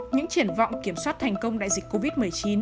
những triển vọng kiểm soát thành công đại dịch covid một mươi chín